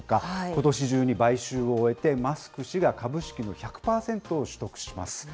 ことし中に買収を終えて、マスク氏が株式の１００％を取得します。